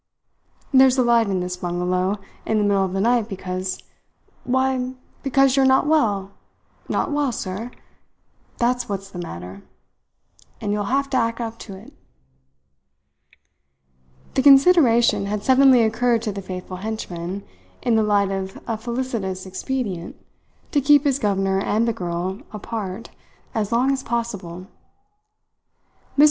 There's a light in this bungalow in the middle of the night because why, because you are not well. Not well, sir that's what's the matter, and you will have to act up to it." The consideration had suddenly occurred to the faithful henchman, in the light of a felicitous expedient to keep his governor and the girl apart as long as possible. Mr.